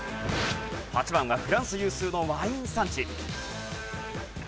８番はフランス有数のワイン産地。